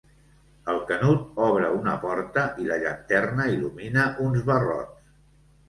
El Canut obre una porta i la llanterna il·lumina uns barrots.